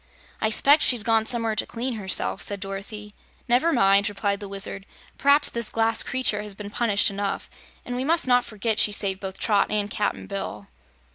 "I s'pect she's gone somewhere to clean herself," said Dorothy. "Never mind," replied the Wizard. "Perhaps this glass creature has been punished enough, and we must not forget she saved both Trot and Cap'n Bill."